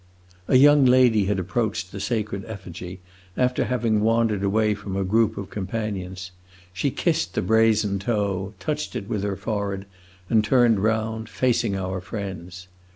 A young lady had approached the sacred effigy, after having wandered away from a group of companions. She kissed the brazen toe, touched it with her forehead, and turned round, facing our friends.